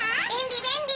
べんり！